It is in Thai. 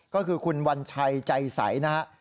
ก็คือคุณวัญชัยใจใสนะฮะ